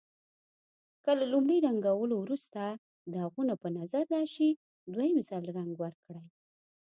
که له لومړي رنګولو وروسته داغونه په نظر راشي دویم ځل رنګ ورکړئ.